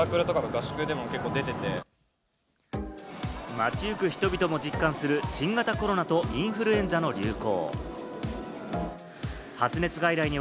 街ゆく人々も実感する新型コロナとインフルエンザの流行。